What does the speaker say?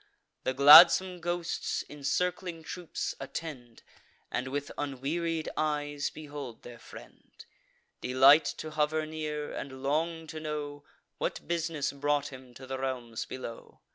The gladsome ghosts, in circling troops, attend And with unwearied eyes behold their friend; Delight to hover near, and long to know What bus'ness brought him to the realms below.